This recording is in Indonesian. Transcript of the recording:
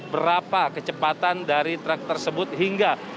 berapa kecepatan dari truk tersebut hingga